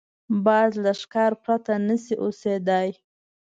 باز له ښکار پرته نه شي اوسېدای